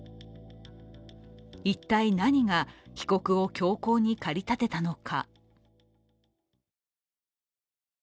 一体、何が被告を凶行に駆り立てたのか。